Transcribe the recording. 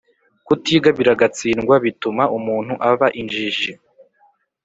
kutiga biragatsindwa bituma umuntu aba injiji